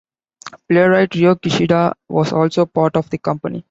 Playwright Rio Kishida was also part of the company.